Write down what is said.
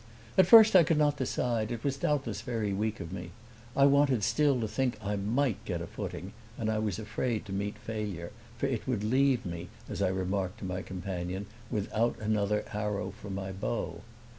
At first I could not decide it was doubtless very weak of me. I wanted still to think I MIGHT get a footing, and I was afraid to meet failure, for it would leave me, as I remarked to my companion, without another arrow for my bow.